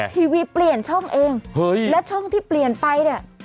ทีวีเปลี่ยนช่องเองและช่องที่เปลี่ยนไปเนี่ย